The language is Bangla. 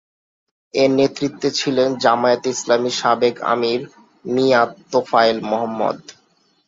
এর নেতৃত্বে ছিলেন জামায়াতে ইসলামীর সাবেক আমীর মিয়াঁ তোফায়েল মোহাম্মদ।